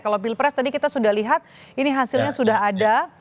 kalau pilpres tadi kita sudah lihat ini hasilnya sudah ada